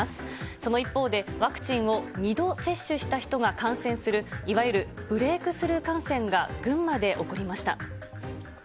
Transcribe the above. その一方で、ワクチンを２度接種した人が感染するいわゆるブレイクスルー感染が群馬で起こりました。